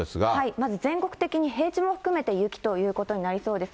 まず全国的に平地も含めて雪ということになりそうです。